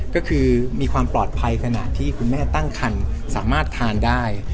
ก็คือมีความปลอดภัยขณะที่คุณแม่ตั้งคันสามารถทานได้